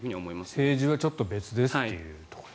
政治はちょっと別ですと。